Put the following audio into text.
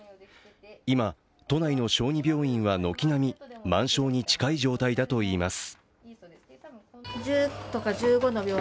今、都内の小児病院は軒並み満床に近い状態だといいます。